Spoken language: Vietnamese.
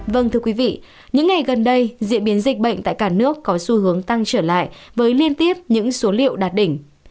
vâng thưa quý vị những ngày gần đây diễn biến dịch bệnh tại cả nước có xu hướng tăng trở lại với liên tiếp những số liệu đạt đỉnh